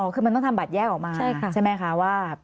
คือมันต้องทำบัตรแยกออกมาใช่ไหมคะว่า